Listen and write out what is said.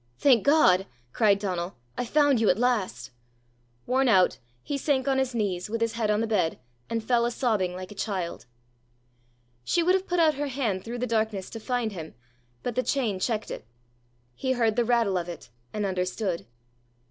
"Thank God!" cried Donal; "I've found you at last!" Worn out, he sank on his knees, with his head on the bed, and fell a sobbing like a child. She would have put out her hand through the darkness to find him, but the chain checked it. He heard the rattle of it, and understood.